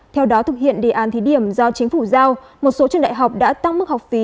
theo đó thực hiện đề án thí điểm do chính phủ giao một số trường đại học đã tăng mức học phí